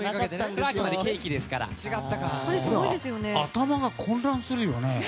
頭が混乱するよね。